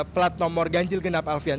plat nomor ganjil genap alfian